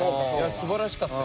素晴らしかったよ。